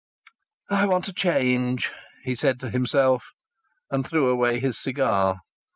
"I want a change!" he said to himself, and threw away his cigar.